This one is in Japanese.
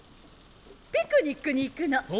ピクニックに行くの。